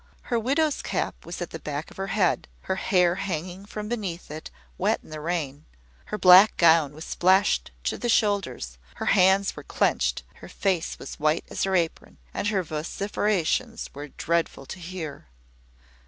Her widow's cap was at the back of her head, her hair hanging from beneath it, wet in the rain: her black gown was splashed to the shoulders; her hands were clenched; her face was white as her apron, and her vociferations were dreadful to hear.